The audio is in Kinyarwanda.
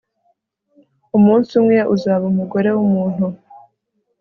umunsi umwe uzaba umugore wumuntu